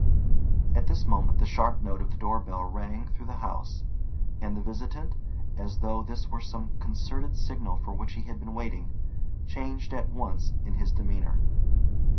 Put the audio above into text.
At this moment, the sharp note of the door bell rang through the house; and the visitant, as though this were some concerted signal for which he had been waiting, changed at once in his demeanour.